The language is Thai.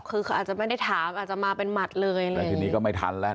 คือเขาอาจจะไม่ได้ถามอาจจะมาเป็นหมัดเลยแต่ทีนี้ก็ไม่ทันแล้ว